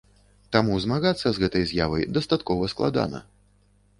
Таму змагацца з гэтай з'явай дастаткова складана.